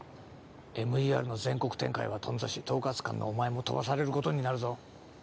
ＭＥＲの全国展開は頓挫し統括官のお前も飛ばされることになるぞ